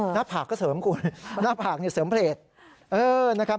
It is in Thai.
หน้าผากก็เสริมคุณหน้าผากเสริมเพลจ